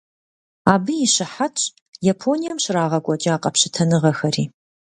Абы и щыхьэтщ Японием щрагъэкӀуэкӀа къэпщытэныгъэхэри.